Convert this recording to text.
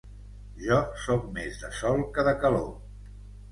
Jo soc més de sol que de calor.